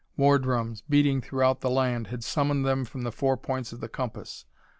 War drums, beating throughout the land, had summoned them from the four points of the compass.